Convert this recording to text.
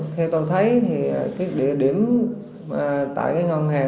theo tôi thấy thì cái địa điểm tại ngân hàng đó